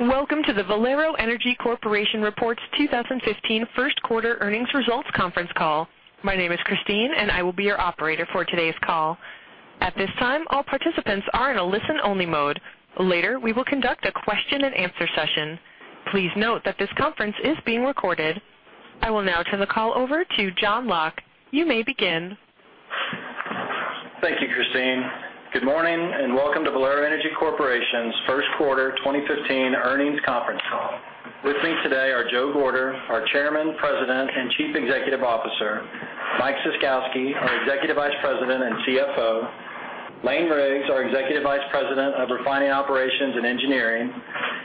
Welcome to the Valero Energy Corporation Reports 2015 First Quarter Earnings Results Conference Call. My name is Christine, and I will be your operator for today's call. At this time, all participants are in a listen-only mode. Later, we will conduct a question-and-answer session. Please note that this conference is being recorded. I will now turn the call over to John Locke. You may begin. Thank you, Christine. Good morning, and welcome to Valero Energy Corporation's first quarter 2015 earnings conference call. With me today are Joe Gorder, our Chairman, President, and Chief Executive Officer; Mike Ciskowski, our Executive Vice President and CFO; Lane Riggs, our Executive Vice President of Refining Operations and Engineering;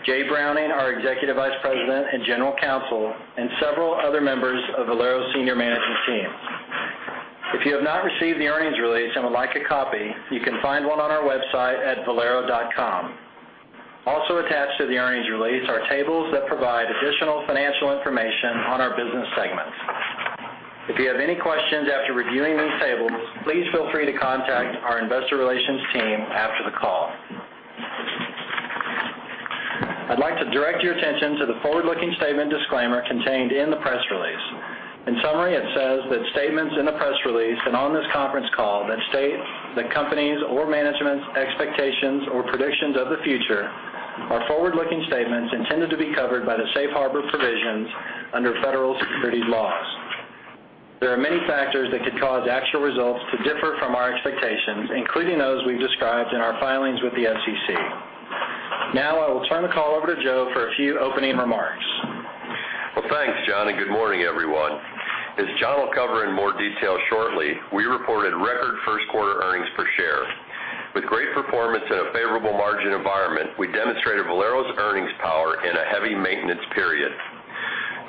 Jay Browning, our Executive Vice President and General Counsel; and several other members of Valero's senior management team. If you have not received the earnings release and would like a copy, you can find one on our website at valero.com. Also attached to the earnings release are tables that provide additional financial information on our business segments. If you have any questions after reviewing these tables, please feel free to contact our investor relations team after the call. I'd like to direct your attention to the forward-looking statement disclaimer contained in the press release. In summary, it says that statements in the press release and on this conference call that state the company's or management's expectations or predictions of the future are forward-looking statements intended to be covered by the safe harbor provisions under federal securities laws. There are many factors that could cause actual results to differ from our expectations, including those we've described in our filings with the SEC. Now, I will turn the call over to Joe for a few opening remarks. Well, thanks, John, and good morning, everyone. As John will cover in more detail shortly, we reported record first-quarter earnings per share. With great performance in a favorable margin environment, we demonstrated Valero's earnings power in a heavy maintenance period.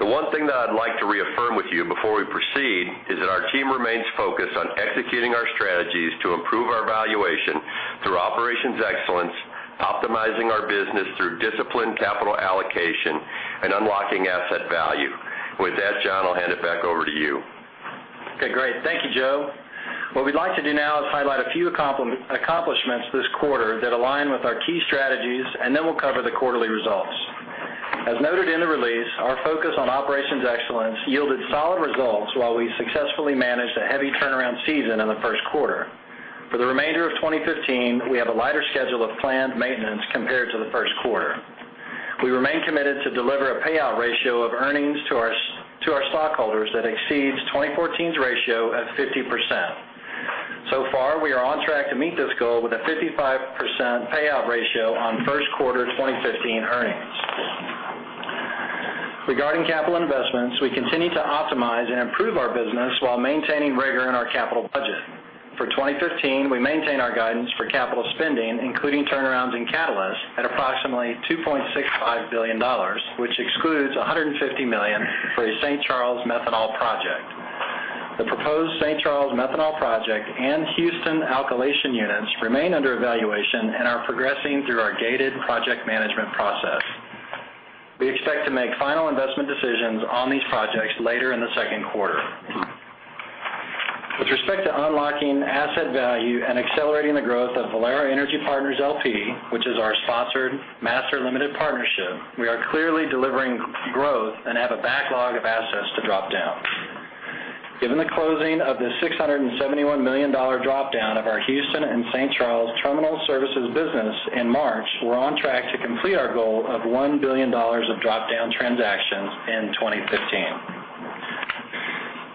The one thing that I'd like to reaffirm with you before we proceed is that our team remains focused on executing our strategies to improve our valuation through operations excellence, optimizing our business through disciplined capital allocation, and unlocking asset value. With that, John, I'll hand it back over to you. Okay, great. Thank you, Joe. What we'd like to do now is highlight a few accomplishments this quarter that align with our key strategies, then we'll cover the quarterly results. As noted in the release, our focus on operations excellence yielded solid results while we successfully managed a heavy turnaround season in the first quarter. For the remainder of 2015, we have a lighter schedule of planned maintenance compared to the first quarter. We remain committed to deliver a payout ratio of earnings to our stockholders that exceeds 2014's ratio of 50%. We are on track to meet this goal with a 55% payout ratio on first quarter 2015 earnings. Regarding capital investments, we continue to optimize and improve our business while maintaining rigor in our capital budget. For 2015, we maintain our guidance for capital spending, including turnarounds in catalyst at approximately $2.65 billion, which excludes $150 million for a St. Charles methanol project. The proposed St. Charles methanol project and Houston alkylation units remain under evaluation and are progressing through our gated project management process. We expect to make final investment decisions on these projects later in the second quarter. With respect to unlocking asset value and accelerating the growth of Valero Energy Partners LP, which is our sponsored MLP, we are clearly delivering growth and have a backlog of assets to drop-down. Given the closing of the $671 million drop-down of our Houston and St. Charles terminal services business in March, we're on track to complete our goal of $1 billion of drop-down transactions in 2015.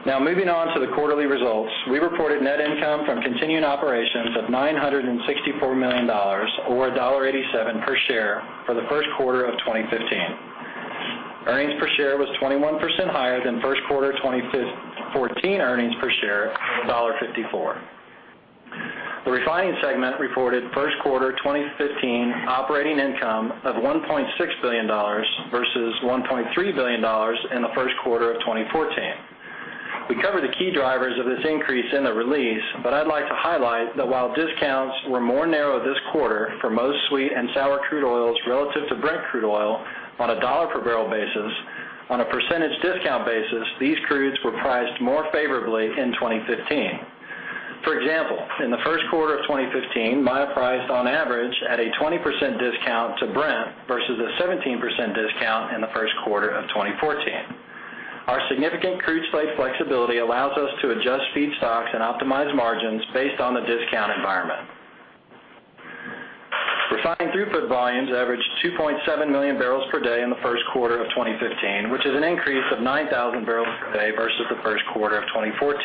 Moving on to the quarterly results. We reported net income from continuing operations of $964 million, or $1.87 per share for the first quarter of 2015. Earnings per share was 21% higher than first quarter 2014 earnings per share of $1.54. The refining segment reported first quarter 2015 operating income of $1.6 billion versus $1.3 billion in the first quarter of 2014. We cover the key drivers of this increase in the release, I'd like to highlight that while discounts were more narrow this quarter for most sweet and sour crude oils relative to Brent crude oil on a dollar-per-barrel basis, on a percentage discount basis, these crudes were priced more favorably in 2015. For example, in the first quarter of 2015, Maya priced on average at a 20% discount to Brent versus a 17% discount in the first quarter of 2014. Our significant crude slate flexibility allows us to adjust feedstocks and optimize margins based on the discount environment. Refining throughput volumes averaged 2.7 million barrels per day in the first quarter of 2015, which is an increase of 9,000 barrels per day versus the first quarter of 2014.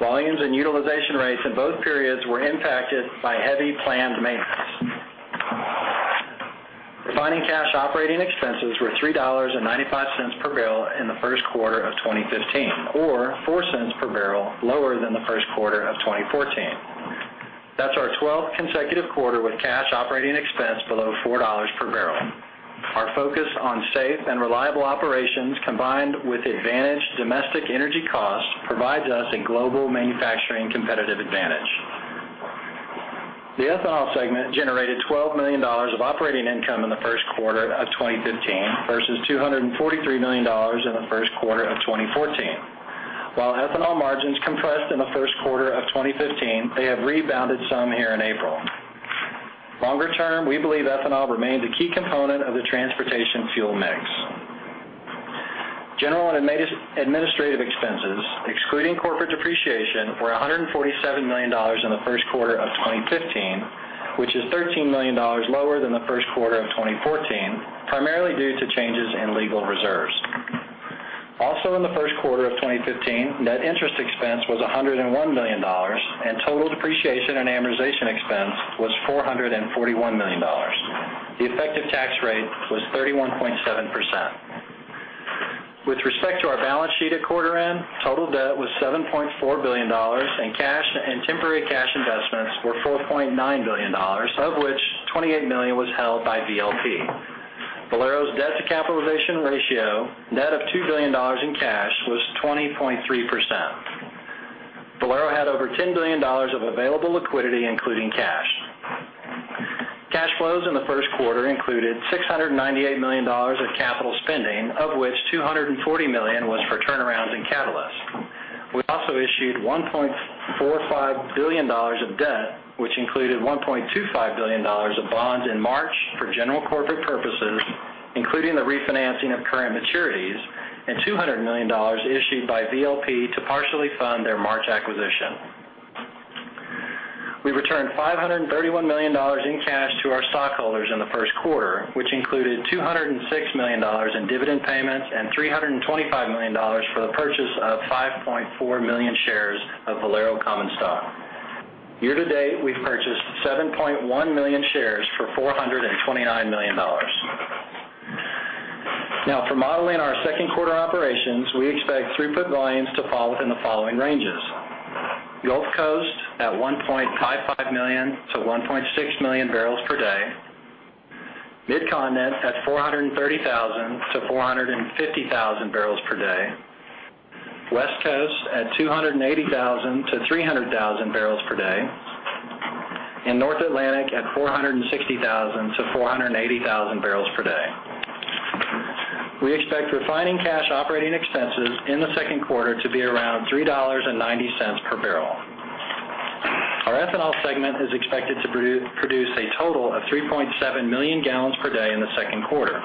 Volumes and utilization rates in both periods were impacted by heavy planned maintenance. Refining cash operating expenses were $3.95 per barrel in the first quarter of 2015, or $0.04 per barrel lower than the first quarter of 2014. That's our 12th consecutive quarter with cash operating expense below $4 per barrel. Our focus on safe and reliable operations, combined with advantaged domestic energy costs, provides us a global manufacturing competitive advantage. The ethanol segment generated $12 million of operating income in the first quarter of 2015 versus $243 million in the first quarter of 2014. While ethanol margins compressed in the first quarter of 2015, they have rebounded some here in April. Longer term, we believe ethanol remains a key component of the transportation fuel mix. General and administrative expenses, excluding corporate depreciation, were $147 million in the first quarter of 2015, which is $13 million lower than the first quarter of 2014, primarily due to changes in legal reserves. Also in the first quarter of 2015, net interest expense was $101 million, and total depreciation and amortization expense was $441 million. The effective tax rate was 31.7%. With respect to our balance sheet at quarter end, total debt was $7.4 billion, and cash and temporary cash investments were $4.9 billion, of which $28 million was held by VLP. Valero's debt-to-capitalization ratio, net of $2 billion in cash, was 20.3%. Valero had over $10 billion of available liquidity, including cash. Cash flows in the first quarter included $698 million of capital spending, of which $240 million was for turnarounds in catalysts. We also issued $1.45 billion of debt, which included $1.25 billion of bonds in March for general corporate purposes, including the refinancing of current maturities and $200 million issued by VLP to partially fund their March acquisition. We returned $531 million in cash to our stockholders in the first quarter, which included $206 million in dividend payments and $325 million for the purchase of 5.4 million shares of Valero common stock. Year to date, we've purchased 7.1 million shares for $429 million. For modeling our second quarter operations, we expect throughput volumes to fall within the following ranges: Gulf Coast at 1.55 million-1.6 million barrels per day, Mid-Continent at 430,000-450,000 barrels per day, West Coast at 280,000-300,000 barrels per day, and North Atlantic at 460,000-480,000 barrels per day. We expect refining cash operating expenses in the second quarter to be around $3.90 per barrel. Our ethanol segment is expected to produce a total of 3.7 million gallons per day in the second quarter.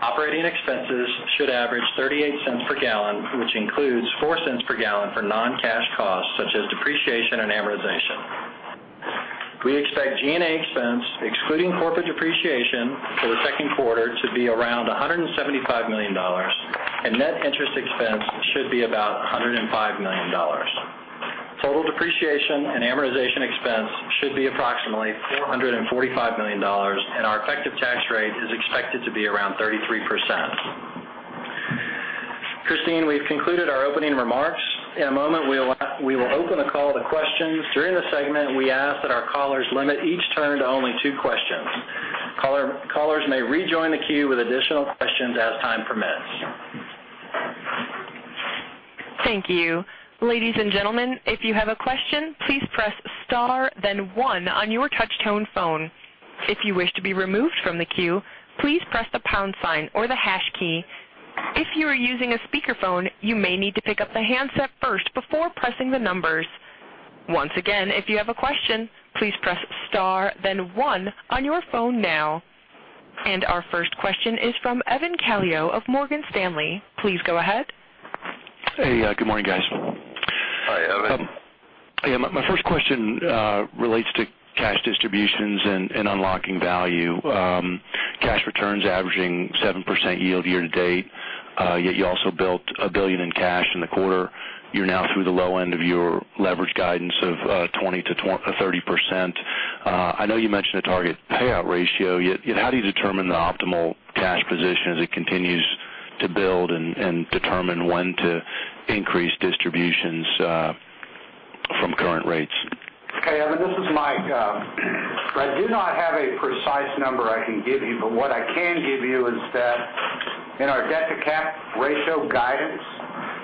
Operating expenses should average $0.38 per gallon, which includes $0.04 per gallon for non-cash costs such as depreciation and amortization. We expect G&A expense, excluding corporate depreciation, for the second quarter to be around $175 million, and net interest expense should be about $105 million. Total depreciation and amortization expense should be approximately $445 million. Our effective tax rate is expected to be around 33%. Christine, we've concluded our opening remarks. In a moment, we will open a call to questions. During the segment, we ask that our callers limit each turn to only two questions. Callers may rejoin the queue with additional questions as time permits. Thank you. Ladies and gentlemen, if you have a question, please press star then one on your touch tone phone. If you wish to be removed from the queue, please press the pound sign or the hash key. If you are using a speakerphone, you may need to pick up the handset first before pressing the numbers. Once again, if you have a question, please press star then one on your phone now. Our first question is from Evan Calio of Morgan Stanley. Please go ahead. Hey. Good morning, guys. Hi, Evan. My first question relates to cash distributions and unlocking value. Cash returns averaging 7% yield year-to-date. Yet you also built $1 billion in cash in the quarter. You're now through the low end of your leverage guidance of 20%-30%. I know you mentioned a target payout ratio, yet how do you determine the optimal cash position as it continues to build and determine when to increase distributions from current rates? Okay, Evan, this is Mike. I do not have a precise number I can give you, but what I can give you is that in our debt-to-cap ratio guidance-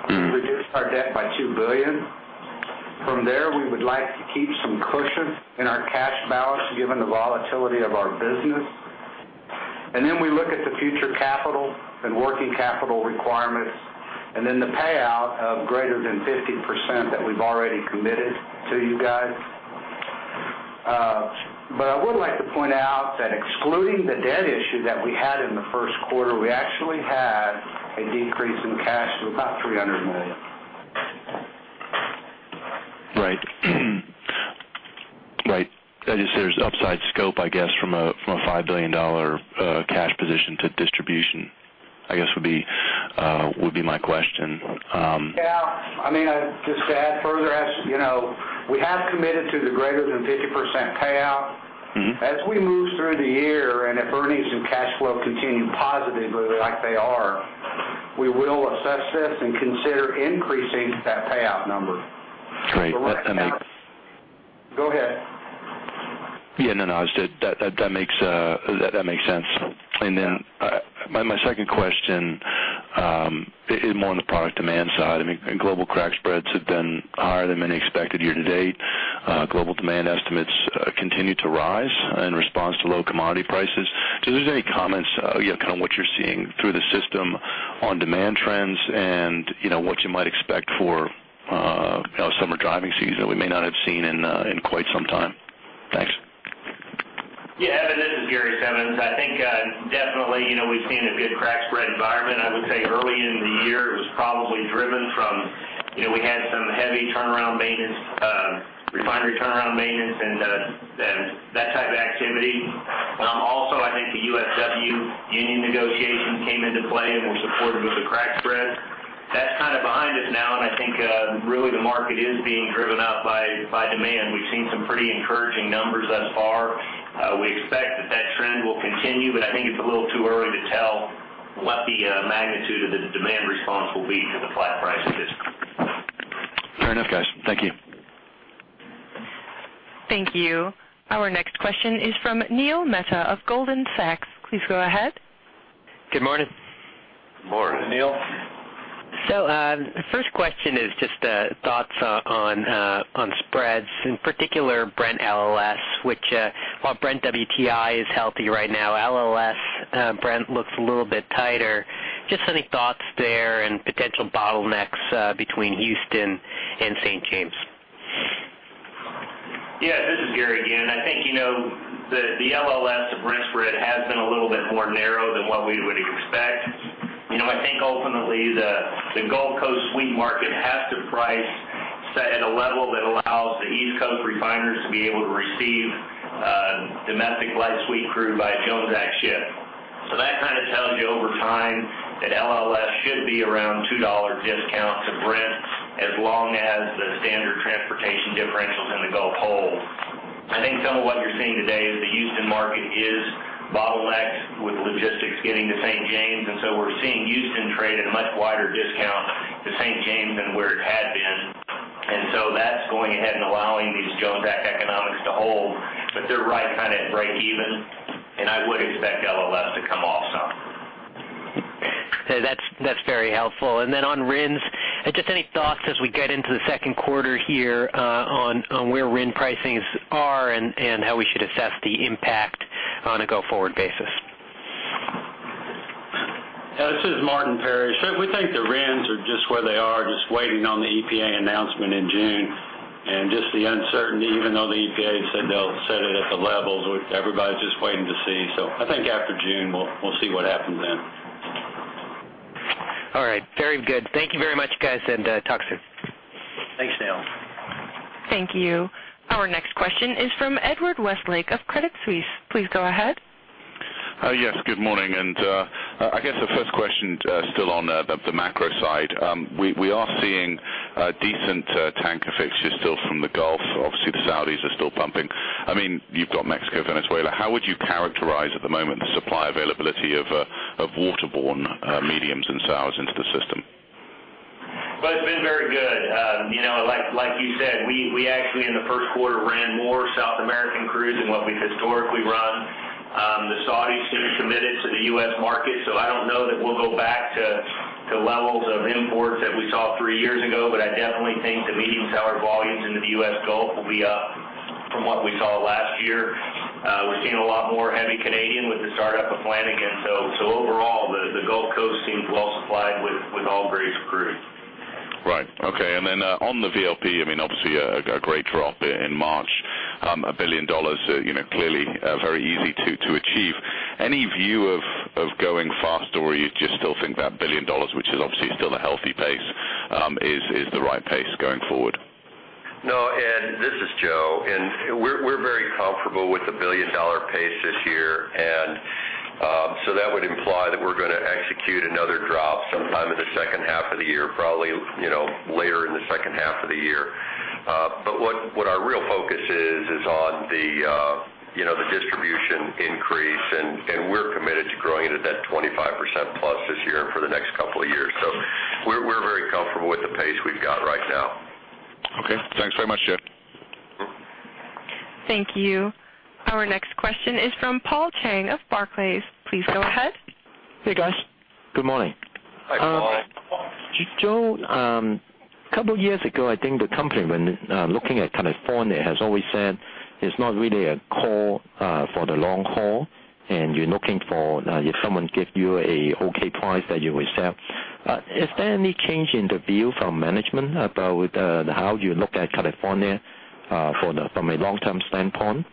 We reduced our debt by $2 billion. From there, we would like to keep some cushion in our cash balance given the volatility of our business. We look at the future capital and working capital requirements, then the payout of greater than 50% that we've already committed to you guys. I would like to point out that excluding the debt issue that we had in the first quarter, we actually had a decrease in cash of about $300 million. Right. Right. There's upside scope, I guess, from a $5 billion cash position to distribution, I guess would be my question. Yeah. Just to add further, we have committed to the greater than 50% payout. As we move through the year and if earnings and cash flow continue positively like they are, we will assess this and consider increasing that payout number. Right. Go ahead. Yeah, no. That makes sense. Then my second question is more on the product demand side. Global crack spreads have been higher than many expected year to date. Global demand estimates continue to rise in response to low commodity prices. Is there any comments on what you're seeing through the system on demand trends and what you might expect for summer driving season we may not have seen in quite some time? Thanks. Yeah, Evan, this is Gary Simmons. I think definitely, we've seen a good crack spread environment. I would say early in the year it was probably driven from We had some heavy refinery turnaround maintenance and that type of activity. Also, I think the USW union negotiation came into play and were supportive of the crack spread. That's behind us now, and I think really the market is being driven up by demand. We've seen some pretty encouraging numbers thus far. We expect that trend will continue, but I think it's a little too early to tell what the magnitude of the demand response will be to the flat price of this. Fair enough, guys. Thank you. Thank you. Our next question is from Neil Mehta of Goldman Sachs. Please go ahead. Good morning. Morning, Neil. First question is just thoughts on spreads, in particular Brent LLS, which while Brent WTI is healthy right now, LLS Brent looks a little bit tighter. Just any thoughts there and potential bottlenecks between Houston and St. James? This is Gary again. I think the LLS to Brent spread has been a little bit more narrow than what we would expect. I think ultimately the Gulf Coast sweet market has to price set at a level that allows the East Coast refiners to be able to receive domestic light sweet crude by Jones Act ship. That tells you over time that LLS should be around $2 discount to Brent as long as the standard transportation differentials in the Gulf hold. I think some of what you're seeing today is the Houston market is bottlenecked with logistics getting to St. James, and so we're seeing Houston trade at a much wider discount to St. James than where it had been. That's going ahead and allowing these Jones Act economics to hold. They're right at break even, and I would expect LLS to come off some. Okay. That's very helpful. Then on RINs, just any thoughts as we get into the second quarter here on where RIN pricings are and how we should assess the impact on a go-forward basis? Yeah, this is Martin Parrish. We think the RINs are just where they are, just waiting on the EPA announcement in June, and just the uncertainty, even though the EPA said they'll set it at the levels, everybody's just waiting to see. I think after June, we'll see what happens then. All right. Very good. Thank you very much, guys, and talk soon. Thanks, Neil. Thank you. Our next question is from Edward Westlake of Credit Suisse. Please go ahead. Yes, good morning. I guess the first question still on the macro side. We are seeing decent tanker fixtures still from the Gulf. Obviously, the Saudis are still pumping. You've got Mexico, Venezuela. How would you characterize at the moment the supply availability of waterborne mediums and sours into the system? Well, it's been very good. Like you said, we actually in the first quarter ran more South American crudes than what we've historically run. The Saudis seem committed to the U.S. market, so I don't know that we'll go back to levels of imports that we saw three years ago, but I definitely think the medium sour volumes into the U.S. Gulf will be up from what we saw last year. We've seen a lot more heavy Canadian with the start-up of Flanagan. Overall, the Gulf Coast seems well supplied with all grades of crude. Right. Okay. On the VLP, obviously a great drop in March. A $1 billion, clearly very easy to achieve. Any view of going faster, or you just still think that $1 billion, which is obviously still a healthy pace, is the right pace going forward? No, Ed, this is Joe, we're very comfortable with the $1 billion pace this year. That would imply that we're going to execute another drop sometime in the second half of the year, probably later in the second half of the year. What our real focus is on the distribution increase, and we're committed to growing it at that 25% plus this year and for the next couple of years. We're very comfortable with the pace we've got right now. Okay. Thanks very much, Joe. Thank you. Our next question is from Paul Cheng of Barclays. Please go ahead. Hey, guys. Good morning. Hi, Paul. Joe, a couple of years ago, I think the company, when looking at California, has always said it's not really a call for the long haul, and you're looking for if someone give you an OK price that you will sell. Is there any change in the view from management about how you look at California from a long-term standpoint?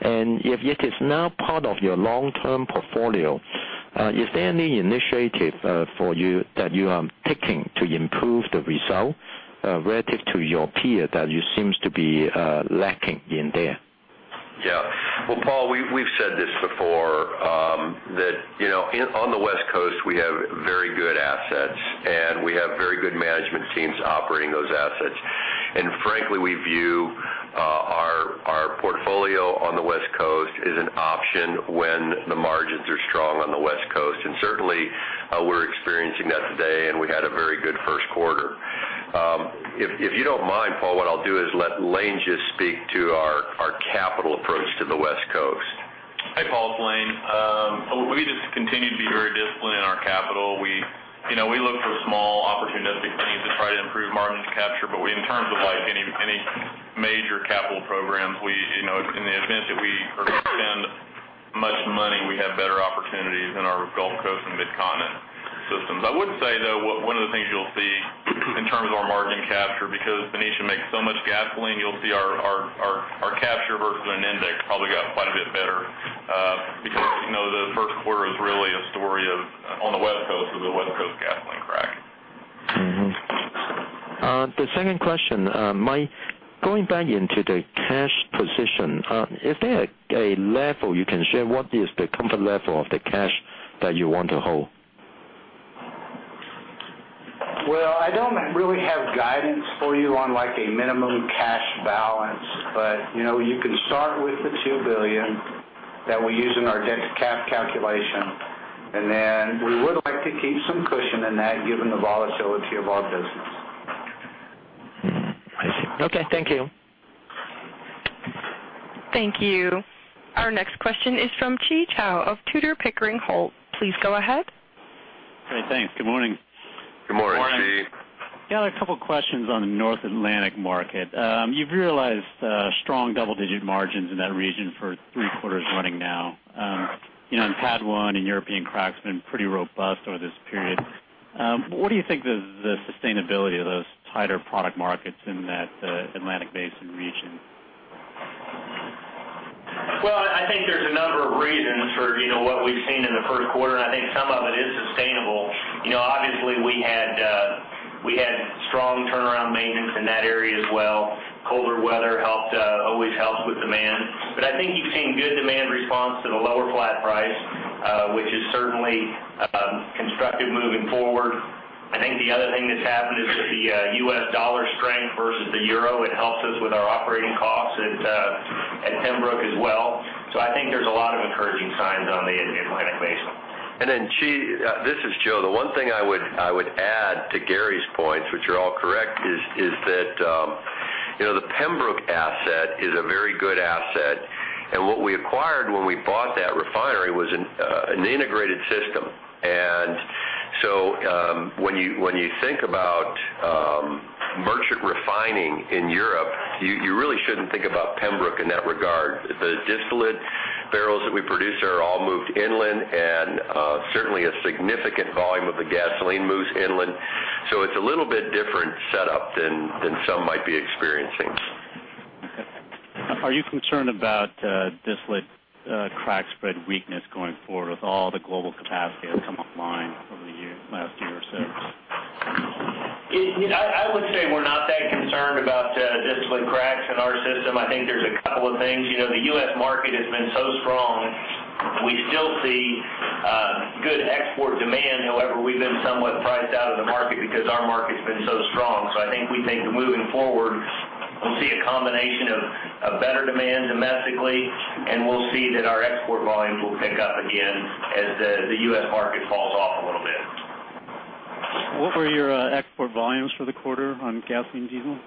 If it is now part of your long-term portfolio, is there any initiative that you are taking to improve the result relative to your peer that you seems to be lacking in there? Yeah. Well, Paul, we've said this before that on the West Coast, we have very good assets, and we have very good management teams operating those assets. Frankly, we view our portfolio on the West Coast as an option when the margins are strong on the West Coast. Certainly, we're experiencing that today, and we had a very good first quarter. If you don't mind, Paul, what I'll do is let Lane just speak to our capital approach to the West Coast. Lane, we just continue to be very disciplined in our capital. We look for small opportunistic things to try to improve margins capture. In terms of any major capital programs, in the event that we are to spend much money, we have better opportunities in our Gulf Coast and Mid-Continent systems. I would say, though, one of the things you'll see in terms of our margin capture, because Benicia makes so much gasoline, you'll see our capture versus an index probably got quite a bit better. The first quarter is really a story of, on the West Coast, is a West Coast gasoline crack. The second question, Mike, going back into the cash position, is there a level you can share? What is the comfort level of the cash that you want to hold? Well, I don't really have guidance for you on a minimum cash balance, but you can start with the $2 billion that we use in our debt to cash calculation. We would like to keep some cushion in that given the volatility of our business. I see. Okay, thank you. Thank you. Our next question is from Chi Chow of Tudor, Pickering Holt. Please go ahead. Great, thanks. Good morning. Good morning, Chi. Good morning. Yeah, a couple of questions on the North Atlantic market. You've realized strong double-digit margins in that region for three quarters running now. PADD 1 and European crack's been pretty robust over this period. What do you think the sustainability of those tighter product markets in that Atlantic basin region? I think there's a number of reasons for what we've seen in the first quarter, I think some of it is sustainable. Obviously, we had strong turnaround maintenance in that area as well. Colder weather always helps with demand. I think you've seen good demand response to the lower flat price, which is certainly constructive moving forward. I think the other thing that's happened is that the U.S. dollar strength versus the euro, it helps us with our operating costs at Pembroke as well. I think there's a lot of encouraging signs on the Atlantic basin. Chi, this is Joe. The one thing I would add to Gary's points, which are all correct, is that the Pembroke asset is a very good asset. When you think about merchant refining in Europe, you really shouldn't think about Pembroke in that regard. The distillate barrels that we produce are all moved inland, and certainly a significant volume of the gasoline moves inland. It's a little bit different setup than some might be experiencing. Okay. Are you concerned about distillate crack spread weakness going forward with all the global capacity that's come online over the last year or so? I would say we're not that concerned about distillate cracks in our system. I think there's a couple of things. The U.S. market has been so strong. We still see good export demand. However, we've been somewhat priced out of the market because our market's been so strong. I think we think moving forward, we'll see a combination of better demand domestically, and we'll see that our export volumes will pick up again as the U.S. market falls off a little bit. What were your export volumes for the quarter on gasoline, diesel?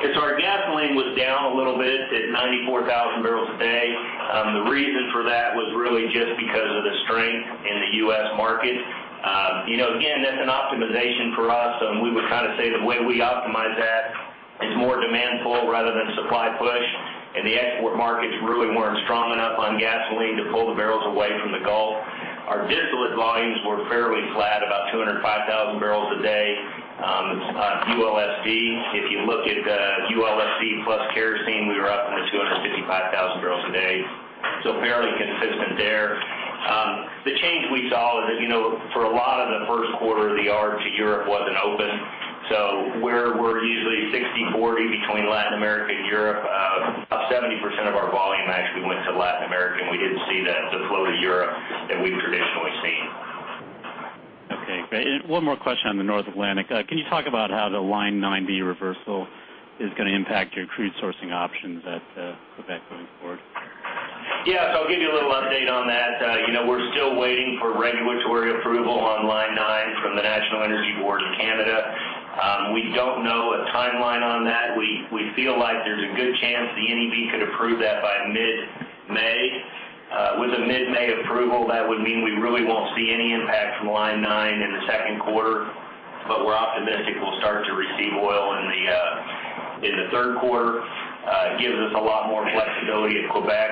Our gasoline was down a little bit at 94,000 barrels a day. The reason for that was really just because of the strength in the U.S. market. Again, that's an optimization for us, and we would say the way we optimize that is more demand pull rather than supply push. The export markets really weren't strong enough on gasoline to pull the barrels away from the Gulf. Our distillate volumes were fairly flat, about 205,000 barrels a day. ULSD, if you look at ULSD plus kerosene, we were up in the 255,000 barrels a day. Fairly consistent there. The change we saw is for a lot of the first quarter, the arb to Europe wasn't open. Where we're usually 60/40 between Latin America and Europe, about 70% of our volume actually went to Latin America, and we didn't see the flow to Europe that we've traditionally seen. Okay, great. One more question on the North Atlantic. Can you talk about how the Line 9B reversal is going to impact your crude sourcing options at Quebec going forward? Yes, I'll give you a little update on that. We're still waiting for regulatory approval on Line 9 from the National Energy Board of Canada. We don't know a timeline on that. We feel like there's a good chance the NEB could approve that by mid-May. With a mid-May approval, that would mean we really won't see any impact from Line 9 in the second quarter, but we're optimistic we'll start to receive oil in the third quarter. It gives us a lot more flexibility at Quebec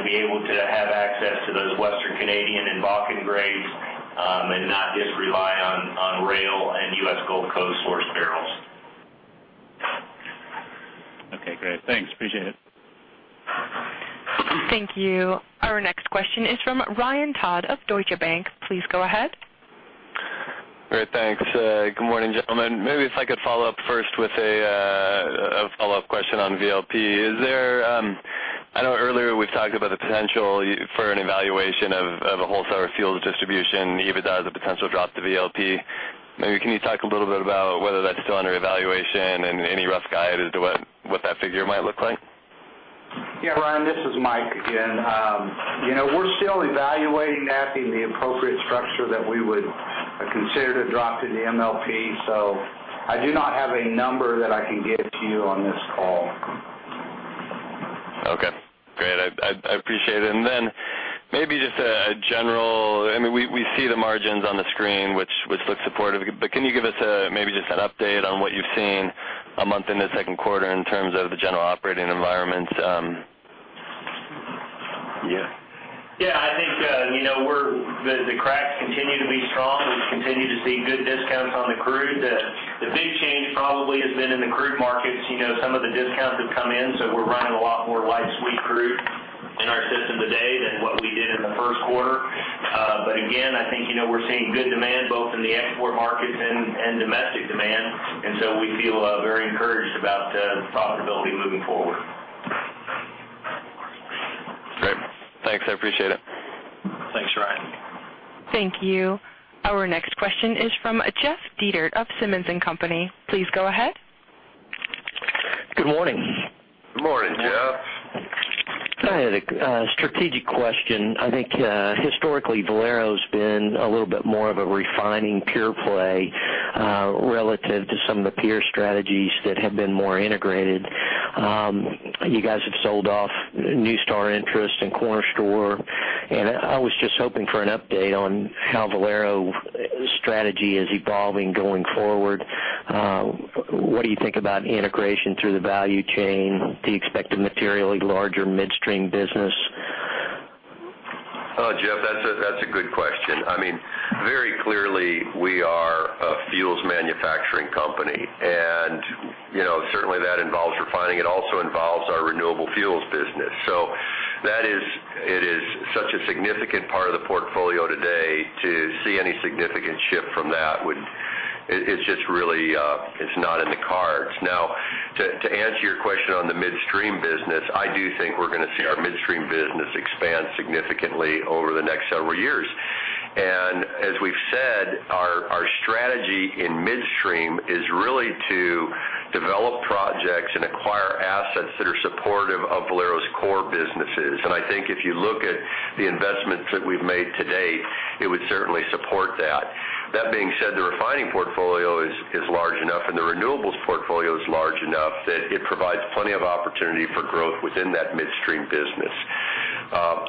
to be able to have access to those Western Canadian and Bakken grades and not just rely on rail and U.S. Gulf Coast sourced barrels. Okay, great. Thanks. Appreciate it. Thank you. Our next question is from Ryan Todd of Deutsche Bank. Please go ahead. Great. Thanks. Good morning, gentlemen. Maybe if I could follow up first with a follow-up question on VLP. I know earlier we've talked about the potential for an evaluation of a whole set of fuels distribution and EBITDA as a potential drop to VLP. Maybe can you talk a little bit about whether that's still under evaluation and any rough guide as to what that figure might look like? Yeah, Ryan, this is Mike again. We're still evaluating that and the approach structure that we would consider to drop to the MLP. I do not have a number that I can give to you on this call. Okay, great. I appreciate it. Then maybe just we see the margins on the screen, which look supportive, but can you give us maybe just an update on what you've seen a month into second quarter in terms of the general operating environment? Yeah. I think the cracks continue to be strong. We continue to see good discounts on the crude. The big change probably has been in the crude markets. Some of the discounts have come in, so we're running a lot more light sweet crude in our system today than what we did in the first quarter. Again, I think, we're seeing good demand both in the export markets and domestic demand, so we feel very encouraged about profitability moving forward. Great. Thanks. I appreciate it. Thanks, Ryan. Thank you. Our next question is from Jeff Dietert of Simmons & Company. Please go ahead. Good morning. Good morning, Jeff. I had a strategic question. I think historically Valero's been a little bit more of a refining pure play relative to some of the peer strategies that have been more integrated. You guys have sold off NuStar interest and Corner Store, and I was just hoping for an update on how Valero strategy is evolving going forward. What do you think about integration through the value chain, the expected materially larger midstream business? Oh, Jeff, that's a good question. Very clearly, we are a fuels manufacturing company, and certainly that involves refining. It also involves our renewable fuels business. It is such a significant part of the portfolio today to see any significant shift from that, it's just really not in the cards. Now, to answer your question on the midstream business, I do think we're going to see our midstream business expand significantly over the next several years. As we've said, our strategy in midstream is really to develop projects and acquire assets that are supportive of Valero's core businesses. I think if you look at the investments that we've made to date, it would certainly support that. That being said, the refining portfolio is large enough, and the renewables portfolio is large enough that it provides plenty of opportunity for growth within that midstream business.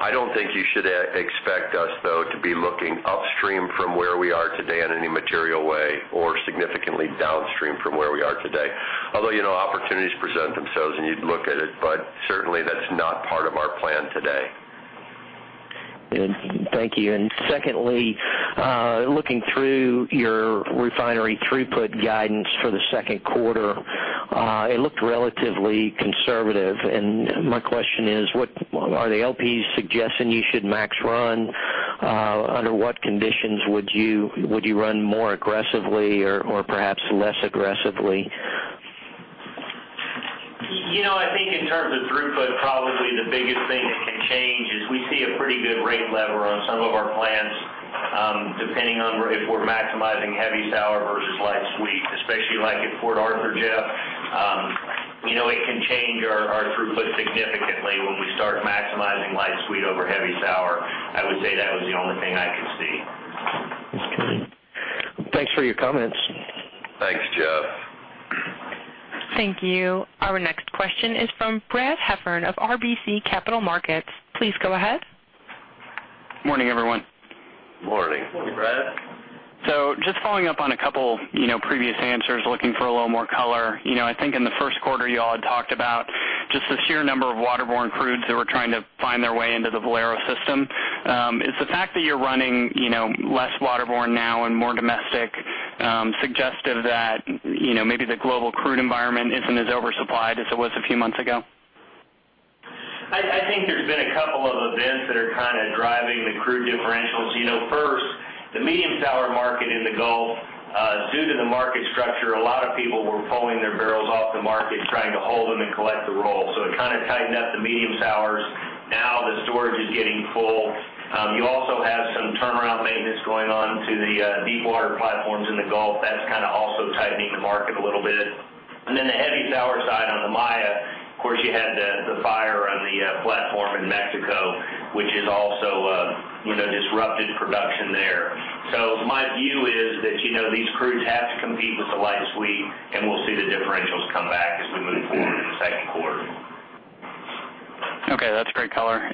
I don't think you should expect us, though, to be looking upstream from where we are today in any material way or significantly downstream from where we are today. Although, opportunities present themselves, and you'd look at it, but certainly that's not part of our plan today. Good. Thank you. Secondly, looking through your refinery throughput guidance for the second quarter, it looked relatively conservative. My question is, are the LPGs suggesting you should max run? Under what conditions would you run more aggressively or perhaps less aggressively? I think in terms of throughput, probably the biggest thing that can change is we see a pretty good rate lever on some of our plants, depending on if we're maximizing heavy sour versus light sweet, especially like at Port Arthur, Jeff. It can change our throughput significantly when we start maximizing light sweet over heavy sour. I would say that was the only thing I could see. Thanks for your comments. Thanks, Jeff. Thank you. Our next question is from Brad Heffern of RBC Capital Markets. Please go ahead. Morning, everyone. Morning. Morning, Brad. Just following up on a couple previous answers, looking for a little more color. I think in the first quarter, you all had talked about just the sheer number of waterborne crudes that were trying to find their way into the Valero system. Is the fact that you're running less waterborne now and more domestic suggestive that maybe the global crude environment isn't as oversupplied as it was a few months ago? I think there's been a couple of events that are driving the crude differentials. First, the medium sour market in the Gulf. Due to the market structure, a lot of people were pulling their barrels off the market trying to hold them and collect the roll. It tightened up the medium sours. Now the storage is getting full. You also have some turnaround maintenance going on to the deepwater platforms in the Gulf. That's also tightening the market a little bit. Then the heavy sour side on the Maya, of course, you had the fire on the platform in Mexico, which has also disrupted production there. My view is that these crudes have to compete with the light sweet, and we'll see the differentials come back as we move forward into the second quarter. Okay. That's great color.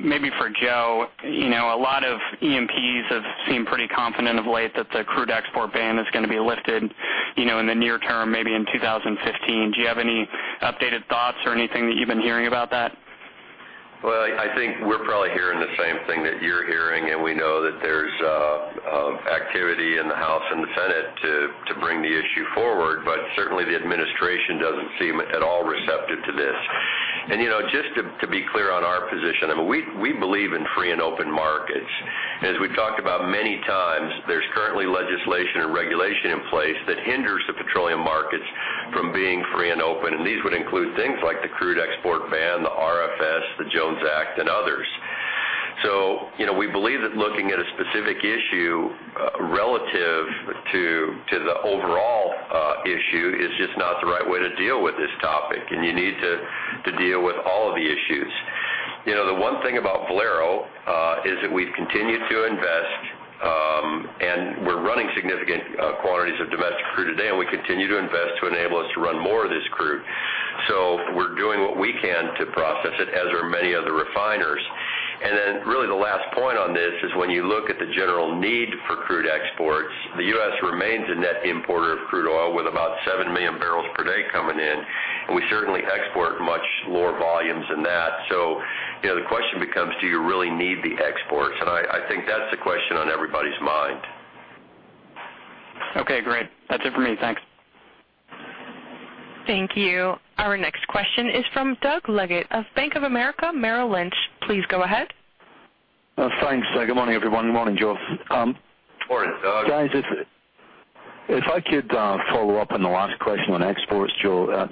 Maybe for Joe, a lot of E&Ps have seemed pretty confident of late that the crude export ban is going to be lifted in the near term, maybe in 2015. Do you have any updated thoughts or anything that you've been hearing about that? Well, I think we're probably hearing the same thing that you're hearing, we know that there's activity in the House and the Senate to bring the issue forward. Certainly, the administration doesn't seem at all receptive to this. Just to be clear on our position, we believe in free and open markets. As we've talked about many times, there's currently legislation and regulation in place that hinders the petroleum markets from being free and open, these would include things like the crude export ban, the RFS, the Jones Act, and others. We believe that looking at a specific issue To the overall issue is just not the right way to deal with this topic, you need to deal with all of the issues. The one thing about Valero is that we've continued to invest, we're running significant quantities of domestic crude today, we continue to invest to enable us to run more of this crude. We're doing what we can to process it, as are many other refiners. Really the last point on this is when you look at the general need for crude exports, the U.S. remains a net importer of crude oil with about 7 million barrels per day coming in, we certainly export much lower volumes than that. The question becomes, do you really need the exports? I think that's the question on everybody's mind. Okay, great. That's it for me. Thanks. Thank you. Our next question is from Doug Leggate of Bank of America Merrill Lynch. Please go ahead. Thanks. Good morning, everyone. Good morning, Joe. Morning, Doug. Guys, if I could follow up on the last question on exports, Joe.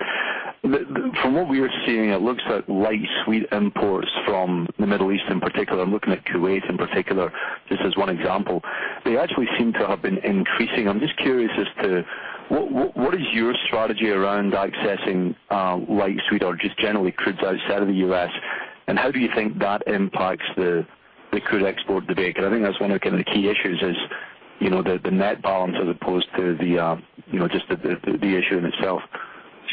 From what we are seeing, it looks like light sweet imports from the Middle East in particular, I'm looking at Kuwait in particular, just as one example. They actually seem to have been increasing. I'm just curious as to what is your strategy around accessing light sweet or just generally crudes outside of the U.S., and how do you think that impacts the crude export debate? Because I think that's one of the key issues is the net balance as opposed to just the issue in itself.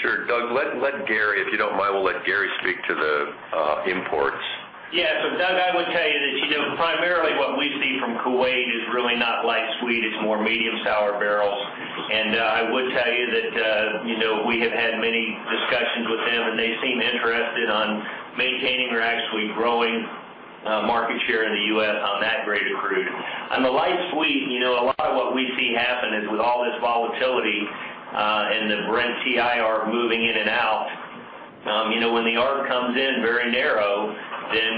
Sure. Doug, if you don't mind, we'll let Gary speak to the imports. Yeah. Doug, I would tell you that primarily what we see from Kuwait is really not light sweet, it's more medium sour barrels. I would tell you that we have had many discussions with them, and they seem interested on maintaining or actually growing market share in the U.S. on that grade of crude. On the light sweet, a lot of what we see happen is with all this volatility, and the Brent-WTI arb moving in and out. When the arb comes in very narrow,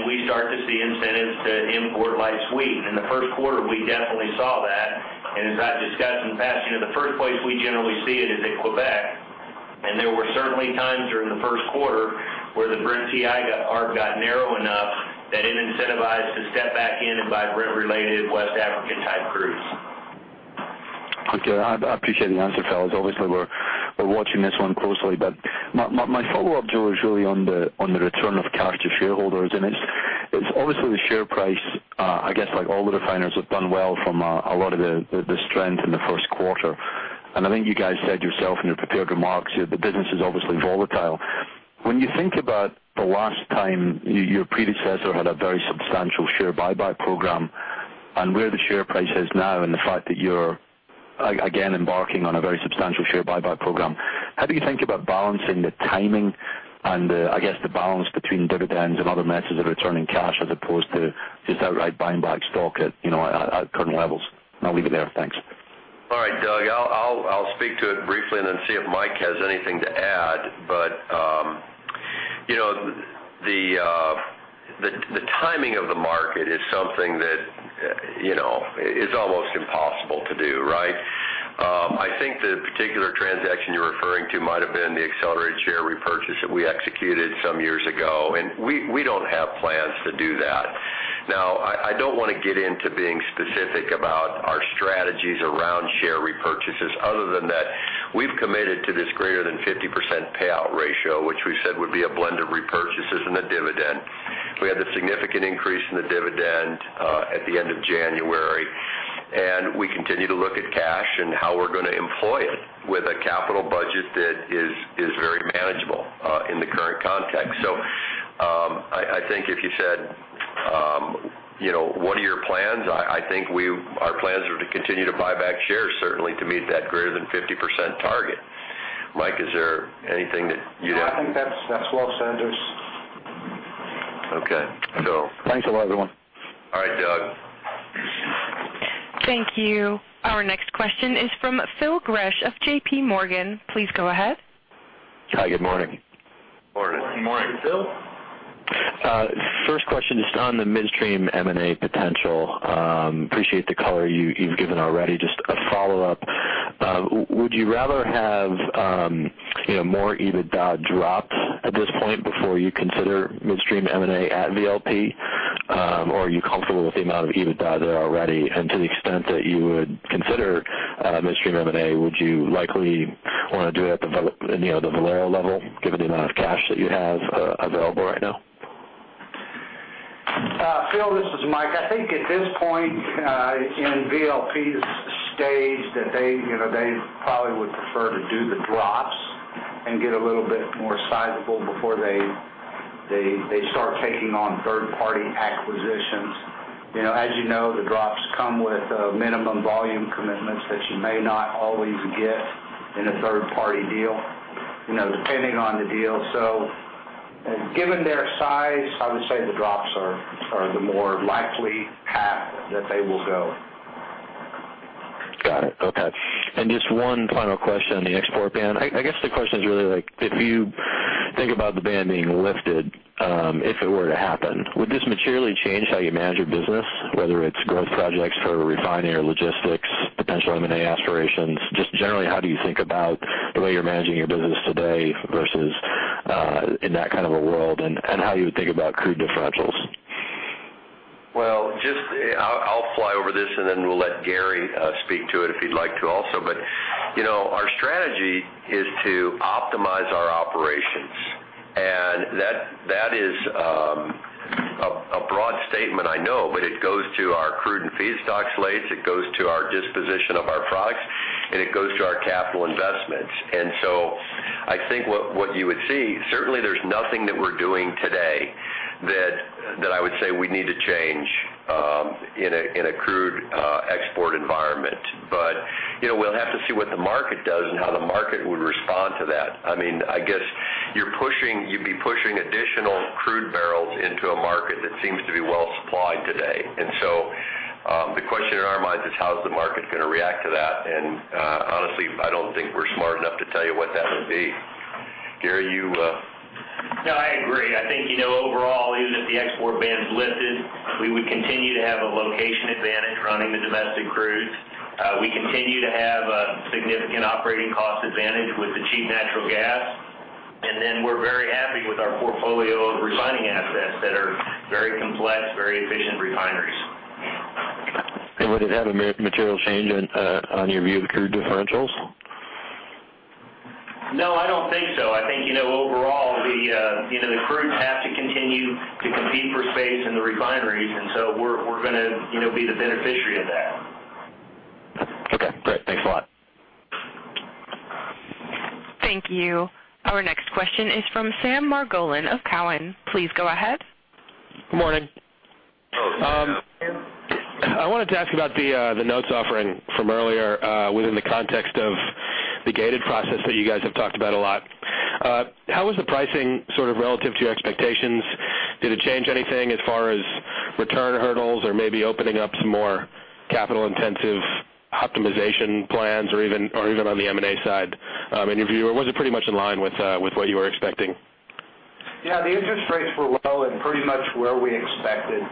we start to see incentives to import light sweet. In the first quarter, we definitely saw that. As I've discussed in the past, the first place we generally see it is in Quebec, and there were certainly times during the first quarter where the Brent-WTI arb got narrow enough that it incentivized to step back in and buy Brent related West African type crudes. Okay. I appreciate the answer, fellas. Obviously, we're watching this one closely, my follow-up, Joe, is really on the return of cash to shareholders, and it's obviously the share price, I guess, like all the refiners have done well from a lot of the strength in the first quarter. I think you guys said yourself in your prepared remarks, the business is obviously volatile. When you think about the last time your predecessor had a very substantial share buyback program and where the share price is now, and the fact that you're again embarking on a very substantial share buyback program, how do you think about balancing the timing and, I guess, the balance between dividends and other methods of returning cash as opposed to just outright buying back stock at current levels? I'll leave it there. Thanks. All right, Doug, I'll speak to it briefly and then see if Mike has anything to add. The timing of the market is something that is almost impossible to do, right? I think the particular transaction you're referring to might have been the accelerated share repurchase that we executed some years ago, and we don't have plans to do that. I don't want to get into being specific about our strategies around share repurchases other than that we've committed to this greater than 50% payout ratio, which we said would be a blend of repurchases and a dividend. We had the significant increase in the dividend at the end of January, and we continue to look at cash and how we're going to employ it with a capital budget that is very manageable in the current context. I think if you said, "What are your plans?" I think our plans are to continue to buy back shares, certainly to meet that greater than 50% target. Mike, is there anything that you'd add? I think that's well said. Okay. Thanks a lot, everyone. All right, Doug. Thank you. Our next question is from Phil Gresh of J.P. Morgan. Please go ahead. Hi, good morning. Morning. Morning, Phil. First question, just on the midstream M&A potential. Appreciate the color you've given already. Just a follow-up. Would you rather have more EBITDA drops at this point before you consider midstream M&A at VLP? Are you comfortable with the amount of EBITDA there already? To the extent that you would consider midstream M&A, would you likely want to do it at the Valero level, given the amount of cash that you have available right now? Phil, this is Mike. I think at this point in VLP's stage that they probably would prefer to do the drops and get a little bit more sizable before they start taking on third party acquisitions. As you know, the drops come with minimum volume commitments that you may not always get in a third party deal depending on the deal. Given their size, I would say the drops are the more likely path that they will go. Got it. Okay. Just one final question on the export ban. I guess the question is really if you think about the ban being lifted, if it were to happen, would this materially change how you manage your business, whether it's growth projects for refinery or logistics, potential M&A aspirations? Just generally, how do you think about the way you're managing your business today versus in that kind of a world and how you would think about crude differentials? Well, I'll fly over this and then we'll let Gary speak to it if he'd like to also. Our strategy is to optimize our operations. That is a broad statement, I know, but it goes to our crude and feedstock slates, it goes to our disposition of our products, and it goes to our capital investments. I think what you would see, certainly there's nothing that we're doing today that I would say we need to change in a crude export environment. We'll have to see what the market does and how the market would respond to that. I guess you'd be pushing additional crude barrels into a market that seems to be well-supplied today, the question in our minds is how is the market going to react to that? Honestly, I don't think we're smart enough to tell you what that would be. Gary. I agree. I think overall, even if the export ban's lifted, we would continue to have a location advantage running the domestic crude. We continue to have a significant operating cost advantage with the cheap natural gas, we're very happy with our portfolio of refining assets that are very complex, very efficient refineries. Would it have a material change on your view of the crude differentials? I don't think so. I think overall, the crude would have to continue to compete for space in the refineries, we're going to be the beneficiary of that. Okay, great. Thanks a lot. Thank you. Our next question is from Sam Margolin of Cowen. Please go ahead. Good morning. I wanted to ask about the notes offering from earlier within the context of the gated process that you guys have talked about a lot. How was the pricing sort of relative to your expectations? Did it change anything as far as return hurdles or maybe opening up some more capital-intensive optimization plans or even on the M&A side? I mean, was it pretty much in line with what you were expecting? Yeah, the interest rates were low and pretty much where we expected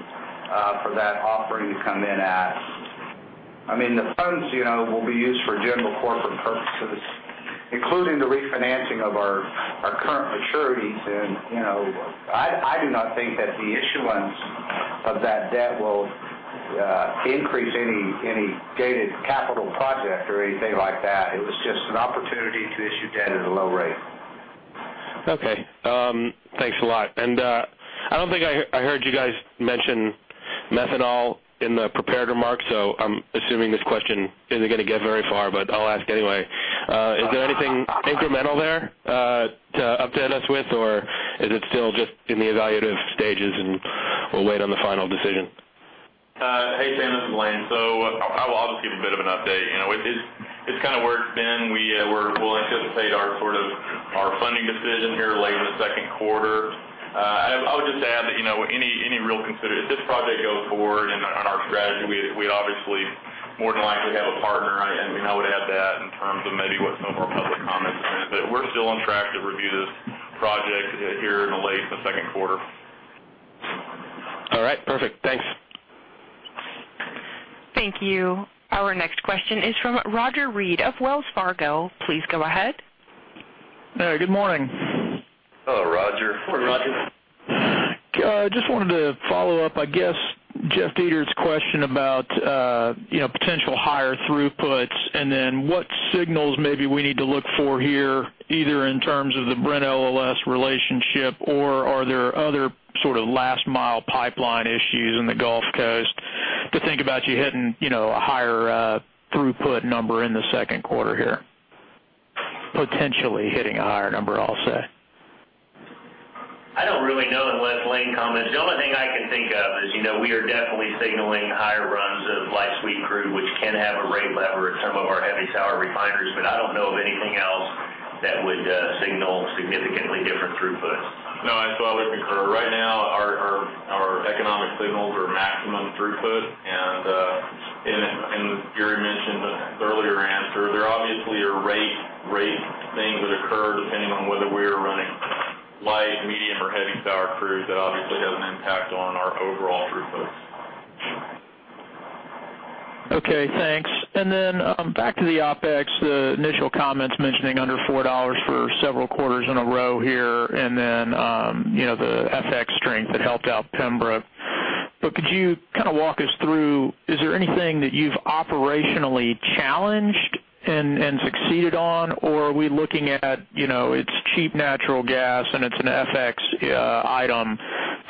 for that offering to come in at. The funds will be used for general corporate purposes, including the refinancing of our current maturities. I do not think that the issuance of that debt will increase any gated capital project or anything like that. It was just an opportunity to issue debt at a low rate. Okay. Thanks a lot. I don't think I heard you guys mention methanol in the prepared remarks, so I'm assuming this question isn't going to get very far, but I'll ask anyway. Is there anything incremental there to update us with, or is it still just in the evaluative stages, and we'll wait on the final decision? Hey, Sam, this is Lane. I will obviously give a bit of an update. It's kind of where it's been. We'll anticipate our funding decision here late in the second quarter. I would just add that any real consideration, if this project goes forward and on our strategy, we'd obviously more than likely have a partner, and we know it had that in terms of maybe what some of our public comments are. We're still on track to review this project here late in the second quarter. All right. Perfect. Thanks. Thank you. Our next question is from Roger Read of Wells Fargo. Please go ahead. Hey, good morning. Hello, Roger. Morning, Roger. Just wanted to follow up, I guess, Jeff Dietert's question about potential higher throughputs and then what signals maybe we need to look for here, either in terms of the Brent-LLS relationship, or are there other sort of last-mile pipeline issues in the Gulf Coast to think about you hitting a higher throughput number in the second quarter here. Potentially hitting a higher number, I'll say. I don't really know unless Lane comments. The only thing I can think of is we are definitely signaling higher runs of light sweet crude, which can have a rate lever at some of our heavy sour refineries. I don't know of anything else that would signal significantly different throughputs. I totally concur. Right now, our economic signals are maximum throughput, and Gary mentioned in an earlier answer, there obviously are rate things that occur depending on whether we're running light, medium, or heavy sour crude. That obviously has an impact on our overall throughput. Thanks. Back to the OpEx, the initial comments mentioning under $4 for several quarters in a row here, and the FX strength that helped out Pembroke. Could you walk us through. Is there anything that you've operationally challenged and succeeded on, or are we looking at it's cheap natural gas and it's an FX item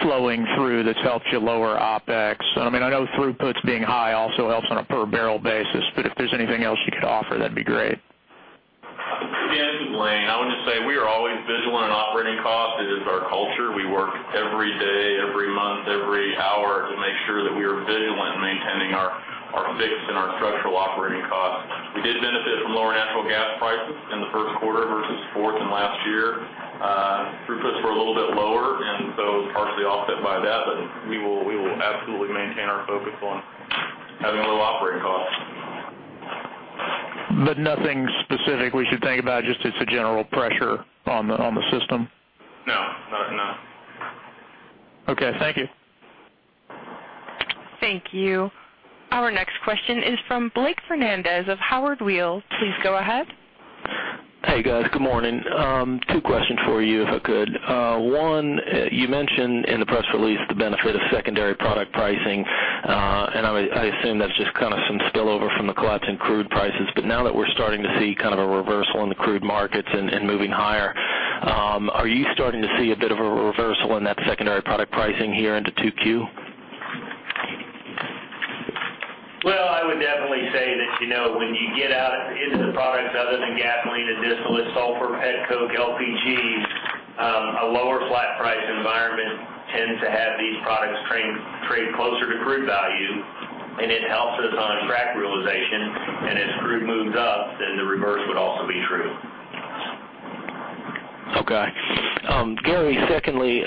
flowing through that's helped you lower OpEx? I know throughputs being high also helps on a per-barrel basis, but if there's anything else you could offer, that'd be great. This is Lane. I would just say we are always vigilant on operating cost. It is our culture. We work every day, every month, every hour to make sure that we are vigilant in maintaining our fixed and our structural operating costs. We did benefit from lower natural gas prices in the first quarter versus fourth and last year. Throughputs were a little bit lower, and so it was partially offset by that, but we will absolutely maintain our focus on having low operating costs. Nothing specific we should think about, just it's a general pressure on the system? No. Okay. Thank you. Thank you. Our next question is from Blake Fernandez of Howard Weil. Please go ahead. Hey guys, good morning. Two questions for you, if I could. One, you mentioned in the press release the benefit of secondary product pricing, and I assume that's just some spillover from the collapse in crude prices. Now that we're starting to see a reversal in the crude markets and moving higher, are you starting to see a bit of a reversal in that secondary product pricing here into 2Q? Well, I would definitely say that when you get out into the products other than gasoline and distillate, sulfur, pet coke, LPGs, a lower flat price environment tends to have these products trade closer to crude value, and it helps us on a crack realization. As crude moves up, the reverse would also be true. Okay. Gary, secondly,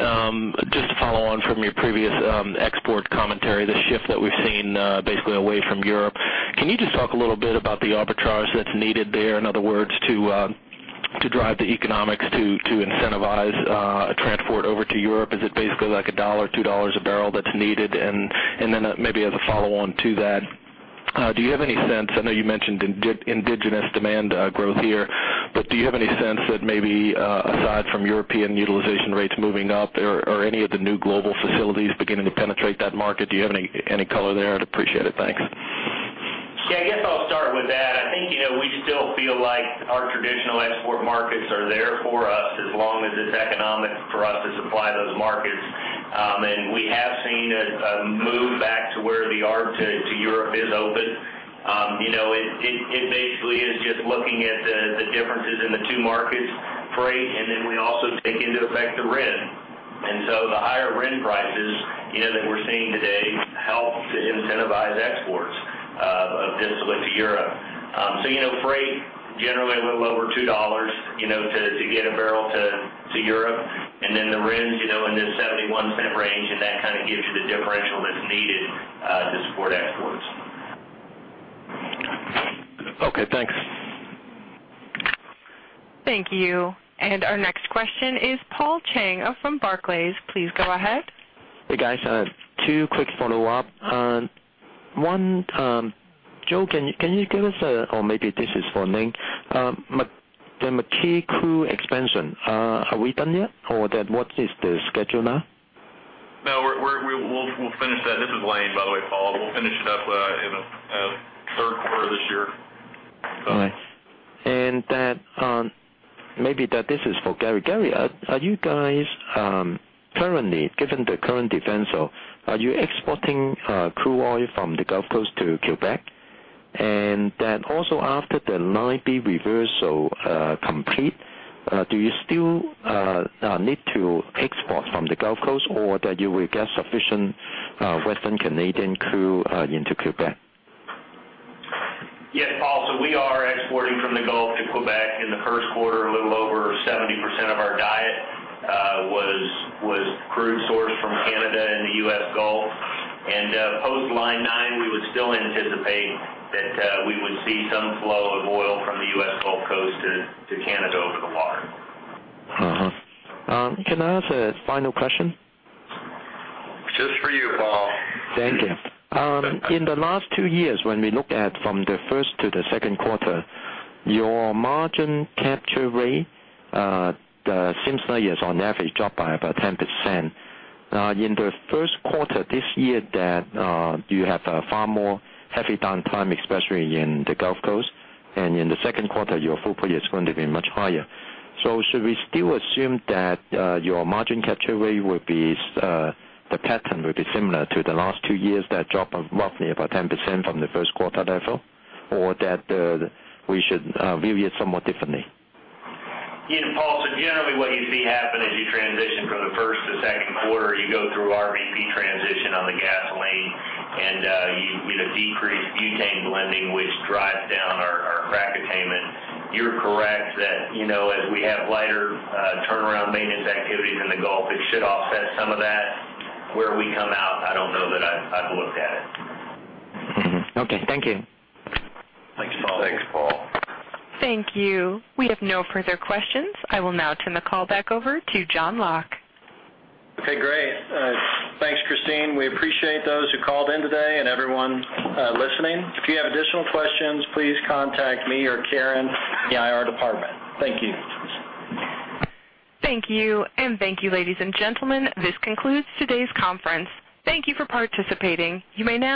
just to follow on from your previous export commentary, the shift that we've seen basically away from Europe, can you just talk a little bit about the arbitrage that's needed there, in other words, to drive the economics to incentivize a transport over to Europe? Is it basically like $1 or $2 a barrel that's needed? Maybe as a follow on to that, do you have any sense, I know you mentioned indigenous demand growth here, but do you have any sense that maybe aside from European utilization rates moving up or any of the new global facilities beginning to penetrate that market? Do you have any color there? I'd appreciate it. Thanks. Yeah, I guess I'll start with that. I think we still feel like our traditional export markets are there for us, as long as it's economic for us to supply those markets. We have seen a move back to where the arb to Europe is open. It basically is just looking at the differences in the two markets' freight, then we also take into effect the RIN. The higher RIN prices that we're seeing today help to incentivize exports of distillate to Europe. Freight generally a little over $2 to get a barrel to Europe, then the RINs in this $0.71 range, that kind of gives you the differential that's needed to support exports. Okay, thanks. Thank you. Our next question is Paul Cheng from Barclays. Please go ahead. Hey, guys. Two quick follow-ups. One, Joe, can you give us or maybe this is for Lane. The McKee crude expansion, are we done yet? What is the schedule now? No, we'll finish that. This is Lane, by the way, Paul. We'll finish it up in the third quarter of this year. All right. Maybe this is for Gary. Gary, are you guys currently, given the current events, are you exporting crude oil from the Gulf Coast to Quebec? Then also after the Line B reversal complete, do you still need to export from the Gulf Coast, or that you will get sufficient Western Canadian crude into Quebec? Yes, Paul. We are exporting from the Gulf to Quebec. In the first quarter, a little over 70% of our diet was crude sourced from Canada and the U.S. Gulf. Post Line 9, we would still anticipate that we would see some flow of oil from the U.S. Gulf Coast to Canada over the water. Can I ask a final question? Just for you, Paul. Thank you. In the last two years, when we look at from the first to the second quarter, your margin capture rate seems like it's on average dropped by about 10%. In the first quarter this year that you have a far more heavy downtime, especially in the Gulf Coast, and in the second quarter, your footprint is going to be much higher. Should we still assume that your margin capture rate, the pattern will be similar to the last two years that drop roughly about 10% from the first quarter level or that we should view it somewhat differently? Paul. Generally what you see happen as you transition from the first to second quarter, you go through RVP transition on the gasoline, and with a decreased butane blending, which drives down our crack attainment. You're correct that as we have lighter turnaround maintenance activities in the Gulf, it should offset some of that. Where we come out, I don't know that I've looked at it. Okay. Thank you. Thanks, Paul. Thanks, Paul. Thank you. We have no further questions. I will now turn the call back over to John Locke. Okay, great. Thanks, Christine. We appreciate those who called in today and everyone listening. If you have additional questions, please contact me or Karen in the IR department. Thank you. Thank you. Thank you, ladies and gentlemen. This concludes today's conference. Thank you for participating. You may now disconnect.